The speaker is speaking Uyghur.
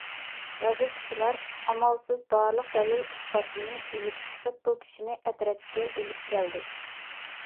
رازۋېدكىچىلار ئامالسىز بارلىق دەلىل- ئىسپاتنى ئېلىپ چىقىپ بۇ كىشىنى ئەترەتكە ئېلىپ كەلدى.